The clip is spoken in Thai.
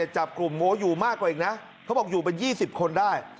จับกลุ่มโง้อยู่มากกว่าอีกนะเขาบอกอยู่เป็น๒๐คนได้